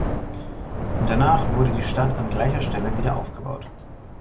Danach wurde die Stadt an gleicher Stelle wieder aufgebaut.